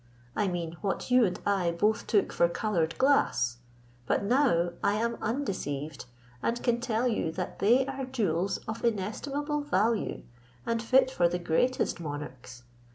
I mean what you and I both took for coloured glass: but now I am undeceived, and can tell you that they are jewels of inestimable value, and fit for the greatest monarchs.